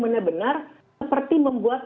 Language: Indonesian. benar benar seperti membuat